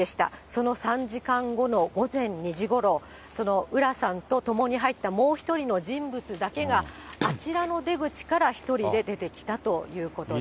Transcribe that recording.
その３時間後の午前２時ごろ、その浦さんと共に入ったもう１人の人物だけが、あちらの出口から１人で出てきたということです。